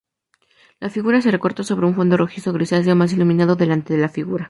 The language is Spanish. La figura se recorta sobre un fondo rojizo-grisáceo, más iluminado delante de la figura.